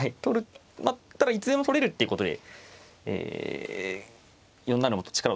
まあただいつでも取れるっていうことでえ４七馬と力をためましたか。